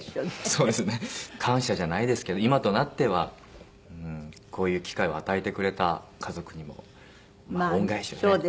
そうですね。感謝じゃないですけど今となってはこういう機会を与えてくれた家族にも恩返しをね